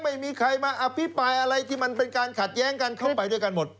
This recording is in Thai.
ไม่มีใครมาอภิปรายอะไรที่มันเป็นการขัดแย้งกันเข้าไปด้วยกันหมด